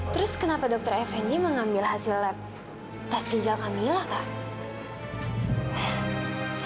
terus kenapa dokter fnd mengambil hasil lab tas ginjal kamila kak